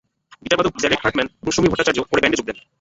গিটারবাদক Jared Hartman এবং সমীর ভট্টাচার্য পরে ব্যান্ডে যোগ দেন।